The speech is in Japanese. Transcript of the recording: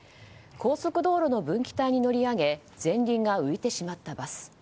高速道路の分岐帯に乗り上げ前輪が浮いてしまったバス。